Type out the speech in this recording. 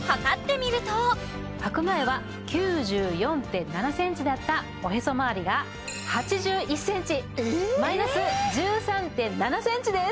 はく前は９４．７センチだったおへそまわりが８１センチマイナス１３．７センチです！